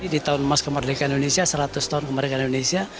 di tahun emas kemerdekaan indonesia seratus tahun kemerdekaan indonesia